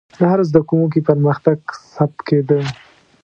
د هر زده کوونکي پرمختګ ثبت کېده.